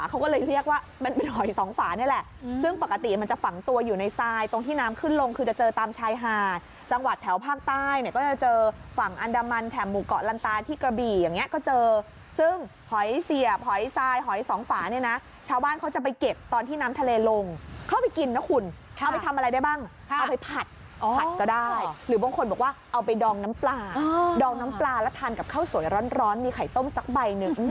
ก็จะเจอฝั่งอันดามันแถมหมูเกาะลันตาที่กระบี่อย่างเงี้ยก็เจอซึ่งหอยเสียบหอยซายหอยสองฝาเนี้ยน่ะชาวบ้านเขาจะไปเก็บตอนที่น้ำทะเลลงเข้าไปกินนะคุณค่ะเอาไปทำอะไรได้บ้างค่ะเอาไปผัดอ๋อผัดก็ได้หรือบางคนบอกว่าเอาไปดองน้ำปลาอ๋อดองน้ำปลาแล้วทานกับข้าวสวยร้อนร้อนมีไข่ต้มสั